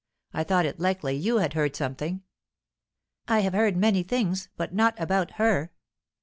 I thought it likely you had heard something." "I have heard many things, but not about her."